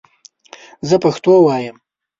زه پښتو وایم